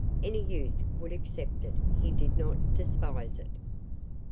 Any youth would accept it; he did not despise it.